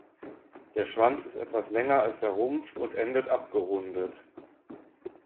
Der Schwanz ist etwas länger als der Rumpf und endet abgerundet.